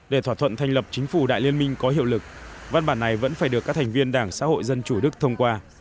để thỏa thuận thành lập chính phủ đại liên minh có hiệu lực văn bản này vẫn phải được các thành viên đảng xã hội dân chủ đức thông qua